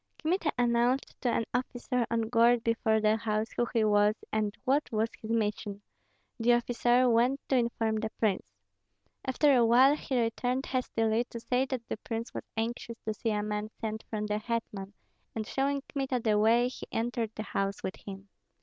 Kmita announced to an officer on guard before the house who he was and what was his mission; the officer went to inform the prince. After a while he returned hastily, to say that the prince was anxious to see a man sent from the hetman; and showing Kmita the way, he entered the house with him.